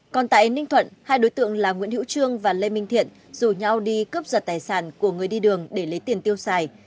còn tại ninh thuận hai đối tượng là nguyễn hữu trương và lê minh thiện rủ nhau đi cướp giật tài sản của người đi đường để lấy tiền tiêu xài